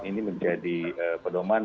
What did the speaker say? ini menjadi pedoman